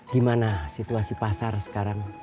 gimana situasi pasar sekarang